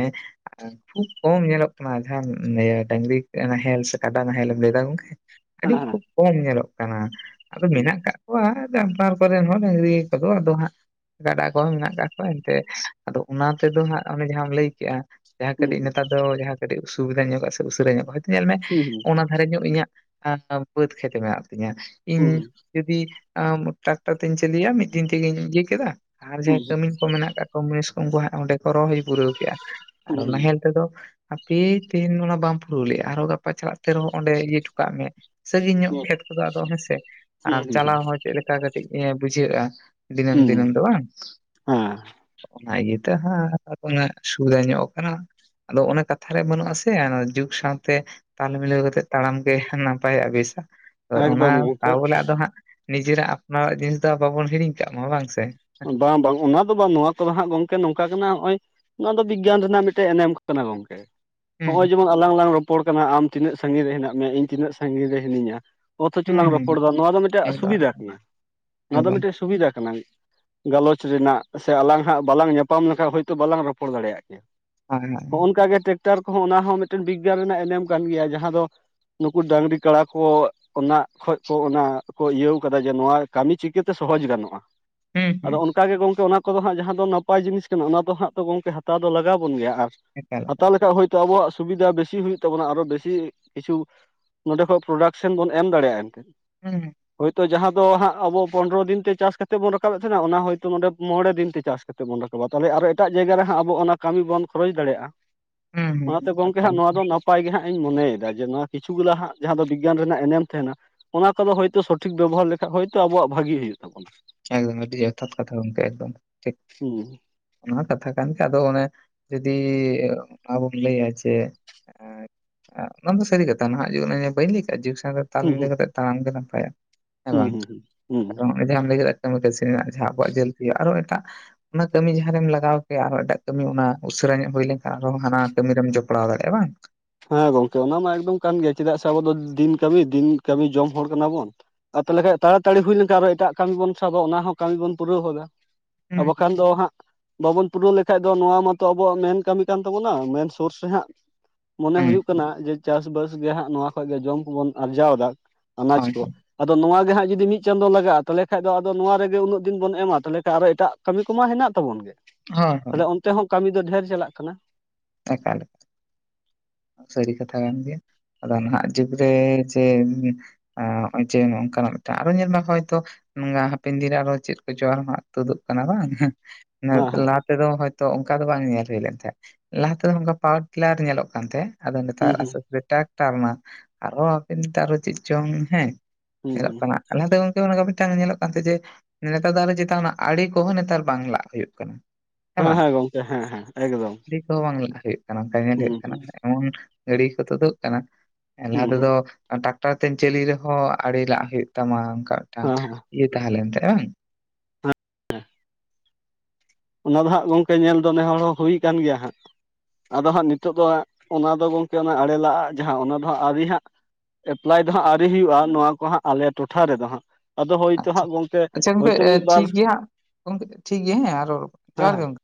ᱠᱷᱩᱵ ᱠᱚᱢ ᱧᱮᱞᱚᱜ ᱠᱟᱱᱟ ᱡᱟᱦᱟᱸ ᱤᱭᱟᱹ ᱰᱟᱝᱨᱤ ᱱᱟᱦᱮᱞ ᱥᱮ ᱠᱟᱰᱟ ᱱᱟᱦᱮᱞ ᱮᱢ ᱞᱟᱹᱭᱫᱟ ᱜᱚᱝᱠᱮ ᱾ ᱟᱹᱰᱤ ᱦᱮᱸ ᱦᱮᱸ ᱠᱷᱩᱵ ᱠᱚᱢ ᱧᱮᱞᱚᱜ ᱠᱟᱱᱟ ᱟᱫᱚ ᱦᱩᱸ ᱢᱮᱱᱟᱜ ᱟᱠᱟ ᱠᱚᱣᱟ, ᱡᱟᱱᱛᱷᱟᱲ ᱠᱚᱨᱮᱱ ᱦᱚᱲ ᱰᱟᱝᱨᱤ ᱠᱚᱫᱚ ᱟᱫᱚ ᱦᱟᱸᱜ ᱠᱟᱰᱟ ᱠᱚᱦᱚᱸ ᱢᱮᱱᱟᱜ ᱟᱠᱟᱫ ᱠᱚᱣᱟ ᱾ ᱮᱱᱛᱮ ᱟᱫᱚ ᱚᱱᱟ ᱛᱮᱫᱚ ᱦᱟᱸᱜ ᱚᱱᱮ ᱡᱟᱦᱟᱸᱟᱢ ᱞᱟᱹᱭ ᱠᱮᱜᱼᱟ ᱡᱟᱦᱟᱸ ᱦᱩᱸ ᱠᱟᱹᱴᱤᱡ ᱱᱮᱛᱟᱨ ᱡᱟᱦᱟᱸ ᱠᱟᱹᱴᱤᱡ ᱚᱥᱩᱵᱤᱫᱟ ᱧᱚᱜᱼᱟ ᱥᱮ ᱩᱥᱟᱹᱨᱟ ᱧᱚᱜᱼᱟ ᱦᱚᱭᱛᱳ ᱧᱮᱞ ᱢᱮ ᱦᱩᱸ ᱚᱱᱟ ᱫᱷᱟᱨᱮ ᱧᱚᱜ ᱤᱧᱟᱹᱜ ᱵᱟᱹᱫᱽ ᱠᱷᱮᱛ ᱢᱮᱱᱟᱜ ᱛᱤᱧᱟᱹ ᱦᱩᱸ ᱤᱧ ᱡᱩᱫᱤ ᱟᱸ ᱴᱨᱟᱠᱴᱟᱨ ᱛᱤᱧ ᱪᱟᱹᱞᱩᱭᱟ ᱢᱤᱫ ᱫᱤᱱ ᱛᱮᱜᱮᱧ ᱤᱭᱟᱹ ᱠᱮᱫᱟ ᱟᱨ ᱦᱩᱸ ᱦᱩᱸ ᱡᱟᱦᱟᱸ ᱠᱟᱹᱢᱤ ᱢᱮᱱᱟᱜ ᱠᱟᱜ ᱠᱚ ᱩᱱᱠᱩ ᱦᱟᱸᱜ ᱚᱸᱰᱮ ᱠᱚ ᱨᱚᱦᱚᱭ ᱦᱩᱭ ᱯᱩᱨᱟᱹᱣ ᱠᱮᱜ-ᱟ ᱟᱨ ᱦᱩᱸ ᱦᱩᱸ ᱦᱩᱸ ᱱᱟᱦᱮᱞ ᱛᱮᱫᱚ ᱦᱟᱯᱮ ᱛᱮᱦᱮᱧ ᱚᱱᱟ ᱵᱟᱢ ᱯᱩᱨᱟᱹᱣ ᱞᱮᱼᱟ ᱟᱨᱚᱸ ᱜᱟᱯᱟ ᱪᱟᱞᱟᱜ ᱛᱮ ᱟᱨᱦᱚᱸ ᱚᱸᱰᱮ ᱤᱭᱟᱹ ᱦᱚᱴᱚ ᱠᱟᱜ ᱢᱮ, ᱥᱟᱸᱹᱜᱤᱧ ᱧᱚᱜ ᱦᱩᱸ ᱠᱷᱮᱛ ᱠᱚᱫᱚ ᱟᱫᱚ ᱦᱮᱸ ᱥᱮ ᱟᱨ ᱦᱩᱸ ᱦᱩᱸ ᱦᱩᱸ ᱪᱟᱞᱟᱣ ᱦᱚᱸ ᱪᱮᱫ ᱞᱮᱠᱟ ᱠᱟᱹᱴᱤᱡ ᱵᱩᱡᱷᱟᱹᱜᱼᱟ ᱾ ᱫᱤᱱᱟᱹᱢ ᱦᱩᱸ ᱫᱤᱱᱟᱹᱢ ᱫᱚ ᱵᱟᱝ ᱾ ᱦᱮᱸ ᱚᱱᱟ ᱤᱭᱟᱹᱛᱮ ᱦᱟᱸᱜ ᱚᱱᱟ ᱥᱩᱵᱤᱫᱷᱟ ᱧᱚᱜ ᱠᱟᱱᱟ ᱾ ᱟᱫᱚ ᱚᱱᱟ ᱠᱟᱛᱷᱟ ᱨᱮ ᱵᱟᱹᱱᱩᱜ-ᱟ ᱥᱮ ᱡᱩᱜᱽ ᱥᱟᱶᱛᱮ ᱛᱟᱞ ᱢᱤᱞᱟᱹᱣ ᱠᱟᱛᱮᱜ ᱛᱟᱲᱟᱢ ᱜᱮ ᱱᱟᱯᱟᱭᱟᱜ ᱵᱮᱥᱟ ᱚᱱᱟ ᱮᱠᱫᱚᱢ ᱜᱚᱝᱠᱮ ᱵᱚᱞᱮ ᱟᱫᱚ ᱦᱟᱸᱜ ᱱᱤᱡᱮᱨᱟᱜ ᱟᱯᱱᱟᱨᱟᱜ ᱡᱤᱱᱤᱥ ᱫᱚ ᱵᱟᱵᱚᱱ ᱦᱤᱲᱤᱧ ᱠᱟᱜ ᱢᱟ ᱵᱟᱝ ᱥᱮ, ᱵᱟᱝ ᱵᱟᱝ ᱚᱱᱟ ᱫᱚ ᱵᱟᱝ ᱱᱚᱣᱟ ᱠᱚᱫᱚ ᱦᱟᱸᱜ ᱜᱚᱝᱠᱮ ᱱᱚᱝᱠᱟ ᱠᱟᱱᱟ ᱱᱚᱜᱼᱚᱭ ᱱᱚᱣᱟ ᱫᱚ ᱵᱤᱜᱽᱜᱟᱱ ᱨᱮᱱᱟᱜ ᱢᱤᱫᱴᱮᱱ ᱮᱱᱮᱢ ᱠᱟᱱᱟ ᱜᱚᱝᱠᱮ ᱾ ᱦᱩᱸ ᱱᱚᱜᱼᱚᱭ ᱡᱮᱢᱚᱱ ᱟᱞᱟᱝ ᱞᱟᱝ ᱨᱚᱯᱚᱲ ᱠᱟᱱᱟ ᱟᱢ ᱛᱤᱱᱟᱹᱜ ᱥᱟᱺᱜᱤᱧ ᱨᱮ ᱦᱮᱱᱟᱜ ᱢᱮᱭᱟ ᱤᱧ ᱛᱤᱱᱟᱹᱜ ᱥᱟᱺᱜᱤᱧ ᱨᱮ ᱦᱤᱱᱟᱹᱧᱟ, ᱚᱛᱷᱚᱪᱚ ᱦᱩᱸ ᱞᱟᱝ ᱦᱩᱸ ᱨᱚᱯᱚᱲᱫᱟ ᱱᱚᱣᱟ ᱫᱚ ᱢᱤᱫᱴᱟᱝ ᱮᱠᱫᱚᱢ ᱥᱩᱵᱤᱫᱷᱟ ᱠᱟᱱᱟ, ᱱᱚᱣᱟ ᱫᱚ ᱮᱠᱫᱚᱢ ᱢᱤᱫᱴᱮᱱ ᱥᱩᱵᱤᱫᱷᱟ ᱠᱟᱱᱟ ᱾ ᱜᱟᱞᱚᱪ ᱨᱮᱱᱟᱜ ᱥᱮ ᱟᱞᱟᱝ ᱦᱟᱸᱜ ᱵᱟᱞᱟᱝ ᱧᱟᱯᱟᱢ ᱞᱮᱠᱷᱟᱱ ᱦᱚᱭᱛᱳ ᱵᱟᱞᱟᱝ ᱨᱚᱯᱚᱲ ᱫᱟᱲᱮᱭᱟᱜᱼᱟ ᱜᱮᱭᱟ ᱦᱳᱭ ᱾ ᱦᱳᱭ ᱦᱚᱜᱼᱚ ᱱᱚᱝᱠᱟ ᱜᱮ ᱴᱨᱟᱠᱴᱟᱨ ᱠᱚᱦᱚᱸ ᱚᱱᱟ ᱦᱚᱸ ᱢᱤᱫᱴᱮᱱ ᱵᱤᱜᱽᱜᱟᱱ ᱨᱮᱱᱟᱜ ᱮᱱᱮᱢ ᱠᱟᱱ ᱜᱮᱭᱟ ᱡᱟᱦᱟᱸ ᱫᱚ ᱱᱩᱠᱩ ᱰᱟᱝᱨᱤ ᱠᱟᱲᱟ ᱠᱚ ᱚᱱᱟ ᱠᱷᱚᱡ ᱠᱚ ᱚᱱᱟ ᱠᱚ ᱤᱭᱟᱹᱣ ᱟᱠᱟᱫᱟ ᱡᱮ, ᱱᱚᱣᱟ ᱠᱟᱹᱢᱤ ᱪᱤᱠᱟᱹᱛᱮ ᱥᱚᱦᱚᱡᱽ ᱜᱟᱱᱚᱜᱼᱟ ᱾ ᱦᱩᱸ ᱟᱫᱚ ᱦᱩᱸ ᱚᱱᱠᱟᱜᱮ ᱜᱚᱢᱠᱮ ᱚᱱᱟ ᱠᱚᱫᱚ ᱦᱟᱸᱜ ᱡᱟᱦᱟᱸ ᱫᱚ ᱱᱟᱯᱟᱭ ᱡᱤᱱᱤᱥ ᱠᱟᱱᱟ, ᱚᱱᱟ ᱫᱚ ᱦᱟᱸᱜ ᱛᱚ ᱜᱚᱢᱠᱮ ᱦᱟᱛᱟᱣ ᱫᱚ ᱞᱟᱜᱟᱣ ᱵᱚᱱ ᱜᱮᱭᱟ ᱾ ᱟᱨᱼᱼ ᱮᱠᱟᱞ ᱦᱟᱛᱟᱣ ᱮᱠᱟᱞ ᱞᱮᱠᱷᱟᱡ ᱦᱚᱭᱛᱳ ᱟᱵᱚᱣᱟᱜ ᱥᱩᱵᱤᱫᱷᱟ ᱵᱮᱥᱤ ᱦᱩᱭᱩᱜ ᱛᱟᱵᱚᱱᱟ, ᱟᱨᱚ ᱵᱮᱥᱤ ᱠᱤᱪᱷᱩ ᱱᱚᱸᱰᱮ ᱠᱷᱚᱡ ᱯᱨᱚᱰᱟᱠᱥᱮᱱ ᱵᱚᱱ ᱮᱢ ᱫᱟᱲᱮᱭᱟᱜᱼᱟ ᱮᱱᱛᱮᱫ ᱾ ᱦᱩᱸ ᱾ ᱦᱚᱭᱛᱳ ᱡᱟᱦᱟᱸ ᱫᱚ ᱦᱟᱸᱜ ᱟᱵᱚ ᱯᱚᱱᱨᱚ ᱫᱤᱱ ᱛᱮ ᱪᱟᱥ ᱠᱟᱛᱮ ᱵᱚᱱ ᱨᱟᱠᱟᱵ ᱨᱟᱠᱟᱵᱮᱫ ᱛᱟᱦᱮᱱᱟ ᱚᱱᱟ ᱦᱳᱭᱛᱳ ᱚᱸᱰᱮ ᱢᱚᱬᱮ ᱫᱤᱱ ᱛᱮ ᱪᱟᱥ ᱠᱟᱛᱮᱫ ᱵᱚᱱ ᱨᱟᱠᱟᱵᱟ, ᱛᱟᱦᱚᱞᱮ ᱟᱨ ᱮᱴᱟᱜ ᱡᱟᱭᱜᱟ ᱨᱮ ᱦᱟᱸᱜ ᱟᱵᱚ ᱚᱱᱟ ᱠᱟᱹᱢᱤ ᱵᱚᱱ ᱠᱷᱚᱨᱚᱪ ᱫᱟᱲᱮᱭᱟᱜᱼᱟ ᱦᱩᱸ ᱾ ᱚᱱᱟᱛᱮ ᱦᱩᱸ ᱜᱚᱝᱠᱮ ᱮᱠᱟᱞ ᱦᱟᱸᱜ ᱱᱚᱣᱟ ᱫᱚ ᱱᱟᱯᱟᱭ ᱱᱟᱯᱟᱭ ᱜᱮ ᱦᱟᱸᱜ ᱤᱧ ᱢᱚᱱᱮᱭᱮᱫᱟ, ᱡᱮ ᱱᱚᱣᱟ ᱠᱤᱪᱷᱩ ᱜᱩᱞᱟ ᱦᱟᱸᱜ ᱡᱟᱦᱟᱸ ᱫᱚ ᱵᱤᱜᱽᱜᱟᱱ ᱨᱮᱱᱟᱜ ᱮᱱᱮᱢ ᱛᱟᱦᱮᱱᱟᱼᱼ ᱚᱱᱟ ᱠᱚᱫᱚ ᱦᱚᱭᱛᱳ ᱥᱚᱴᱷᱤᱠ ᱵᱮᱵᱚᱦᱟᱨ ᱞᱮᱠᱷᱟᱡ ᱦᱚᱭᱛᱳ ᱟᱵᱚᱣᱟᱜ ᱵᱷᱟᱹᱜᱤ ᱦᱩᱭᱩᱜ ᱛᱟᱵᱚᱱᱟ ᱾ ᱮᱠᱫᱚᱢ ᱟᱹᱰᱤ ᱡᱚᱛᱷᱟᱛ ᱠᱟᱛᱷᱟ ᱜᱚᱢᱠᱮ ᱮᱫᱚᱢ ᱴᱷᱤᱠ ᱾ ᱦᱩᱸ ᱾ ᱚᱱᱟ ᱦᱚᱸ ᱠᱟᱛᱷᱟ ᱠᱟᱱ ᱜᱮ ᱟᱫᱚ ᱚᱱᱮ, ᱡᱩᱫᱤ ᱚᱱᱟ ᱵᱚᱱ ᱞᱟᱹᱭᱟ ᱡᱮ ᱮᱯ ᱚᱱᱟ ᱫᱚ ᱥᱟᱹᱨᱤ ᱠᱟᱛᱷᱟ ᱱᱟᱦᱟᱜ ᱡᱩᱜᱽ ᱨᱮ ᱤᱧ ᱵᱟᱹᱧ ᱞᱟᱹᱭᱠᱟᱜ ᱡᱮ ᱡᱩᱜᱽ ᱥᱟᱱᱨᱮᱼᱼ ᱛᱟᱞ ᱦᱩᱸ ᱢᱤᱞᱟᱹᱣ ᱦᱩᱸ ᱠᱟᱛᱮᱜ ᱛᱟᱲᱟᱢ ᱜᱮ ᱱᱟᱯᱟᱭᱟ ᱦᱮᱸ ᱦᱩᱸ ᱵᱟᱝ, ᱦᱩᱸ ᱦᱩᱸ ᱠᱟᱨᱚᱱ ᱡᱟᱦᱟᱸᱢ ᱞᱟᱹᱭ ᱠᱮᱫᱟ ᱠᱟᱹᱢᱤ ᱠᱟᱹᱥᱱᱤ ᱡᱟᱦᱟᱸ ᱟᱵᱚᱣᱟᱜ ᱡᱟᱹᱞᱫᱤᱭᱟᱜ ᱟᱨᱚ ᱮᱴᱟᱜ ᱚᱱᱟ ᱠᱟᱹᱢᱤ ᱡᱟᱦᱟᱸ ᱨᱮᱢ ᱞᱟᱜᱟᱣ ᱠᱮᱭᱟ, ᱟᱨᱚᱸ ᱮᱴᱟᱜ ᱠᱟᱹᱢᱤ ᱚᱱᱟ ᱩᱥᱟᱹᱨᱟ ᱧᱚᱜ ᱦᱩᱭ ᱞᱮᱱᱠᱷᱟᱱ ᱟᱨᱚᱸ ᱦᱟᱱᱟ ᱠᱟᱹᱢᱤ ᱨᱮᱢ ᱡᱚᱯᱲᱟᱣ ᱫᱟᱲᱮᱭᱟᱜᱼᱟ ᱵᱟᱝ ᱾ ᱦᱮᱸ ᱜᱚᱝᱠᱮ, ᱚᱱᱟ ᱢᱟ ᱮᱠᱫᱚᱢ ᱠᱟᱱ ᱜᱮᱭᱟ ᱪᱮᱫᱟᱜ ᱥᱮ ᱟᱵᱚ ᱫᱚ ᱫᱤᱱ ᱠᱟᱹᱢᱤ, ᱫᱤᱱ ᱠᱟᱹᱢᱤ ᱡᱚᱢ ᱦᱚᱲ ᱠᱟᱱᱟ ᱵᱚᱱ ᱾ ᱟ ᱛᱟᱦᱞᱮᱠᱟᱡ ᱛᱟᱲᱟ ᱛᱟᱲᱤ ᱦᱩᱭ ᱞᱮᱱᱠᱷᱟᱱ ᱟᱨᱚ ᱮᱴᱟᱜ ᱠᱟᱹᱢᱤ ᱵᱚᱱ ᱥᱟᱵᱟ ᱚᱱᱟ ᱦᱚᱸ ᱠᱟᱹᱢᱤ ᱵᱚᱱ ᱯᱩᱨᱟᱹᱣ ᱦᱚᱫᱟ ᱾ ᱟ ᱦᱩᱸ ᱵᱟᱠᱷᱟᱱ ᱫᱚ ᱦᱟᱸᱜ ᱵᱟᱵᱚᱱ ᱯᱩᱨᱟᱹᱣ ᱞᱮᱠᱷᱟᱡ ᱫᱚ ᱱᱚᱣᱟ ᱢᱟᱛᱚ ᱟᱵᱚᱣᱟᱜ ᱢᱮᱱ ᱠᱟᱹᱢᱤ ᱠᱟᱱ ᱛᱟᱵᱚᱱᱟ, ᱢᱮᱱ ᱥᱩᱨᱥ ᱨᱮ ᱦᱟᱸᱜ ᱢᱚᱱᱮ ᱦᱩᱸ ᱦᱩᱭᱩᱜ ᱠᱟᱱᱟ ᱡᱮ ᱪᱟᱥ ᱵᱟᱥ ᱜᱮ ᱦᱟᱸᱜ ᱱᱚᱣᱟ ᱠᱷᱚᱡ ᱜᱮ ᱡᱚᱢ ᱠᱚᱵᱚᱱ ᱟᱨᱡᱟᱣ ᱮᱫᱟ ᱟᱱᱟᱡ ᱦᱳᱭ ᱠᱚ ᱟᱫᱚ ᱱᱚᱣᱟ ᱜᱮ ᱦᱟᱸᱜ ᱡᱩᱫᱤ ᱢᱤᱫ ᱪᱟᱸᱫᱳ ᱞᱟᱜᱟᱜᱼᱟ, ᱛᱟᱦᱚᱞᱮ ᱠᱷᱟᱱ ᱫᱚ ᱟᱫᱚ ᱱᱚᱣᱟ ᱨᱮᱜᱮ ᱩᱱᱟᱹᱜ ᱫᱤᱱ ᱵᱚᱱ ᱮᱢᱟ ᱛᱟᱦᱚᱞᱮ ᱠᱷᱟᱱ ᱟᱨᱚ ᱮᱴᱟᱜ ᱠᱟᱹᱢᱤ ᱠᱚᱢᱟ ᱦᱮᱱᱟᱜ ᱛᱟᱵᱚᱱ ᱜᱮ ᱾ ᱦᱚᱭ ᱦᱚᱭ ᱾ ᱚᱱᱛᱮ ᱦᱚᱸ ᱠᱟᱹᱢᱤ ᱫᱚ ᱰᱷᱮᱨ ᱪᱟᱞᱟᱜ ᱠᱟᱱᱟ ᱾ ᱛᱟᱠᱟᱲᱮ ᱾ ᱥᱟᱹᱨᱤ ᱠᱟᱛᱷᱟ ᱠᱟᱱ ᱜᱮᱭᱟ, ᱟᱫᱚ ᱱᱟᱜ ᱡᱩᱜᱽ ᱨᱮ ᱡᱮ ᱱᱚᱜᱼᱚᱭ ᱡᱮ ᱱᱚᱝᱠᱟ ᱱᱟᱜ ᱟᱨᱚ ᱧᱮᱞ ᱢᱮ ᱦᱚᱭᱛᱚ ᱱᱚᱣᱟ ᱦᱟᱯᱮᱱ ᱫᱤᱱ ᱨᱮ ᱟᱨᱚ ᱪᱮᱫ ᱠᱚᱪᱚ ᱟᱨᱚ ᱦᱟᱸᱜ ᱛᱩᱫᱩᱜ ᱠᱟᱱᱟ ᱵᱟᱝ ᱦᱮᱸ ᱾ ᱦᱮᱸ ᱞᱟᱦᱟ ᱛᱮᱫᱚ ᱦᱚᱭᱛᱚ ᱚᱱᱠᱟ ᱫᱚ ᱵᱟᱝ ᱧᱮᱞ ᱦᱩᱭ ᱞᱮᱱ ᱛᱟᱦᱮᱸᱫ, ᱞᱟᱦᱟ ᱛᱮᱫᱚ ᱚᱱᱠᱟ ᱯᱟᱣᱟᱨ ᱴᱤᱞᱟᱨ ᱧᱮᱞᱚᱜᱼᱼ ᱠᱟᱱ ᱛᱮ ᱟᱫᱚ ᱦᱩᱸ ᱱᱮᱛᱟᱨ ᱦᱩᱸ ᱟᱥᱮ ᱯᱟᱥᱮ ᱴᱨᱟᱠᱴᱟᱨ ᱮᱱᱟ ᱟᱨᱚ ᱱᱮᱛᱟᱨᱚ ᱪᱮᱫ ᱪᱚᱝ ᱦᱮᱸ ᱾ ᱦᱩᱸ ᱧᱮᱞᱚᱜ ᱦᱩᱸ ᱠᱟᱱᱟ ᱞᱟᱦᱟ ᱛᱮ ᱜᱚᱝᱠᱮ ᱚᱱᱠᱟ ᱢᱤᱫᱴᱟᱝ ᱧᱮᱞᱚᱜ ᱠᱟᱱᱛᱮ ᱡᱮ ᱱᱮᱛᱟᱨ ᱫᱚ ᱟᱨᱮ ᱪᱮᱛᱟᱱ ᱨᱮᱱᱟᱜ, ᱟᱲᱮ ᱠᱚᱦᱚᱸ ᱱᱮᱛᱟᱨ ᱵᱟᱝ ᱞᱟᱜ ᱦᱩᱭᱩᱜ ᱠᱟᱱᱟ ᱾ ᱦᱮᱸ ᱦᱮᱸ ᱜᱚᱝᱠᱮ, ᱦᱮᱸ ᱦᱮᱸ ᱮᱠᱫᱚᱢ ᱾ ᱛᱚ ᱵᱟᱝ ᱞᱟᱜ ᱦᱩᱭᱩᱜ ᱠᱟᱱᱟ ᱚᱱᱠᱟᱱ ᱧᱮᱞ ᱦᱩᱭᱩᱜᱼᱼ ᱮᱢᱚᱱ ᱜᱟᱹᱲᱤ ᱠᱚ ᱛᱩᱫᱩᱜ ᱠᱟᱱᱟ, ᱞᱟᱦᱟ ᱦᱩᱸ ᱦᱩᱸ ᱛᱮᱫᱚᱼᱼ ᱴᱟᱠᱴᱟᱨ ᱛᱮᱢ ᱪᱟᱞᱩᱭ ᱨᱮᱦᱚᱸ ᱟᱲᱮ ᱞᱟᱜ ᱦᱩᱭᱩᱜ ᱛᱟᱢᱟ ᱚᱱᱠᱟ ᱢᱤᱫᱴᱟᱝ ᱦᱮᱸ ᱦᱮᱸ ᱤᱭᱟᱹ ᱛᱟᱦᱮᱸ ᱞᱮᱱ ᱛᱟᱭ ᱵᱟᱝ ᱾ ᱚᱱᱟ ᱫᱚ ᱦᱟᱸᱜ ᱜᱚᱢᱠᱮ ᱧᱮᱞ ᱫᱚ ᱱᱮ ᱦᱚᱲ ᱦᱚᱸ ᱦᱩᱭ ᱠᱟᱱ ᱜᱮᱭᱟ ᱦᱟᱸᱜ ᱾ ᱟᱫᱚ ᱦᱟᱸᱜ ᱱᱤᱛᱚᱜ ᱫᱚ ᱚᱱᱟ ᱫᱚ ᱜᱚᱢᱠᱮ ᱚᱱᱟ ᱟᱲᱮ ᱞᱟᱜ ᱡᱟᱦᱟᱸ, ᱚᱱᱟ ᱫᱚ ᱦᱟᱸᱜ ᱟᱹᱣᱨᱤ ᱦᱟᱸᱜ ᱮᱯᱞᱟᱭ ᱫᱚ ᱦᱟᱸᱜ ᱟᱹᱣᱨᱤ ᱦᱩᱭᱩᱜᱼᱟ, ᱱᱚᱣᱟ ᱠᱚ ᱦᱟᱸᱜ ᱟᱞᱮ ᱴᱚᱴᱷᱟ ᱨᱮᱫᱚ ᱦᱟᱸᱜ ᱾ ᱟᱫᱚ ᱦᱳᱭᱛᱚ ᱟᱪᱪᱷᱟ ᱦᱟᱸᱜ ᱜᱚᱝᱠᱮ ᱟᱪᱪᱷᱟ ᱜᱚᱝᱠᱮ ᱦᱚᱳᱭᱛᱚ ᱢᱤᱫ ᱵᱟᱨ ᱴᱷᱤᱠ ᱜᱮᱭᱟ ᱦᱟᱸᱜ ᱜᱚᱝᱠᱮ ᱴᱷᱤᱠ ᱜᱮᱭᱟ ᱦᱮᱸ, ᱟᱨ ᱦᱮᱸ ᱦᱮᱸ ᱡᱚᱦᱟᱨ ᱜᱮ ᱜᱚᱝᱠᱮ᱾